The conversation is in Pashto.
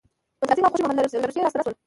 متراسینکه او خوشی محمد له روسیې راستانه شول.